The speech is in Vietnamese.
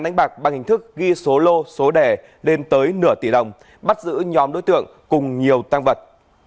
đánh bạc bằng hình thức ghi số lô số đẻ lên tới nửa tỷ đồng bắt giữ nhóm đối tượng cùng nhiều tăng vật